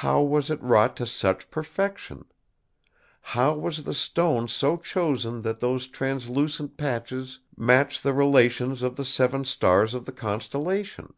How was it wrought to such perfection? How was the stone so chosen that those translucent patches match the relations of the seven stars of the constellation?